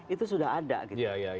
itu sudah ada gitu